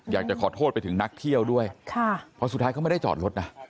อยากจะขอโทษไปถึงนักเที่ยวด้วยเพราะสุดท้ายเขาไม่ได้จอดรถนะ